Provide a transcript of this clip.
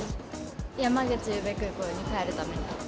山口宇部空港に帰るために。